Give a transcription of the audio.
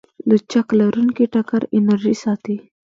لچک لرونکی ټکر انرژي ساتي.